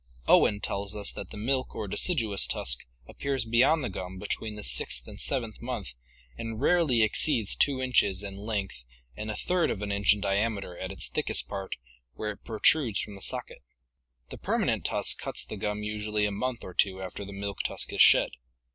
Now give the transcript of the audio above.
Owen tells us that the milk or deciduous tusk appears beyond the gum between the sixth and seventh month and rarely exceeds two inches in length and a third of an inch in diameter at its thickest part where 584 ORGANIC EVOLUTION it protrudes from the socket. The permanent tusk cuts the gum usually a month or two after the milk tusk is shed.